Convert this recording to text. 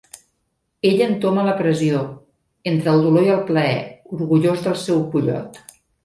Ell entoma la pressió, entre el dolor i el plaer, orgullós del seu pollot.